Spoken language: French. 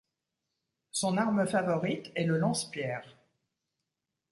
Son arme favorite est le lance-pierre.